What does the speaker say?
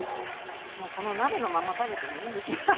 もうこの鍋のまんま食べてもいいんですけどね